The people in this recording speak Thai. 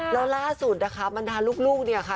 แล้วล่าสุดนะคะบรรดาลูกเนี่ยค่ะ